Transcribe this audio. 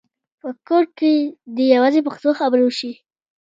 په کور کې دې یوازې پښتو خبرې وشي.